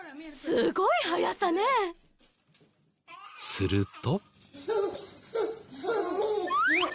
すると。